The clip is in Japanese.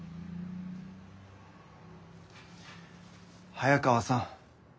早川さん。